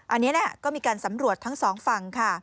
อันนี้ก็มีการสำรวจทั้ง๒ฝั่ง